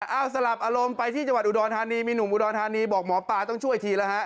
สลับอารมณ์ไปที่จังหวัดอุดรธานีมีหนุ่มอุดรธานีบอกหมอปลาต้องช่วยทีแล้วฮะ